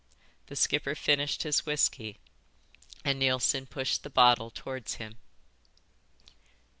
The skipper finished his whisky, and Neilson pushed the bottle towards him.